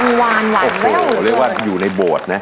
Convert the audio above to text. กังวานหวานมากเลยครับคุณครับโอ้โหเรียกว่าอยู่ในโบสถ์นะ